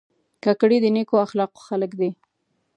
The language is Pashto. کاکړي د نیکو اخلاقو خلک دي.